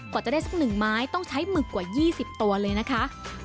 กว่าจะได้สัก๑ไม้ต้องใช้หมึกกว่า๒๐ตัวเลยนะคะ